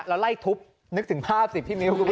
แล้วไล่ทุบนึกถึงภาพสิพี่มิว